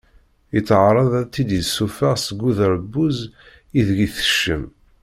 Yettaɛraḍ ad tt-id-yessufeɣ seg uderbuz ideg i teckem.